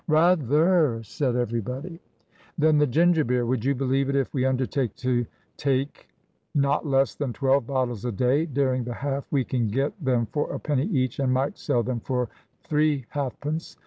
"Rather," said everybody. "Then the ginger beer. Would you believe it, if we undertake to take not less than twelve bottles a day daring the half we can get them for a penny each, and might sell them for three halfpence.